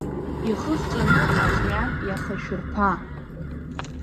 Ихы хҵәаны аҵәҩан иахашәырԥа!